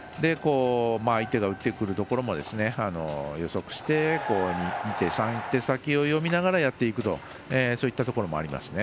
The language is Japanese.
相手が打ってくるところを予測して２手、３手先を読みながらやっていくというそういったところもありますね。